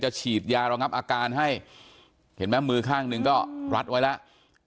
ฉีดยาระงับอาการให้เห็นไหมมือข้างหนึ่งก็รัดไว้แล้ว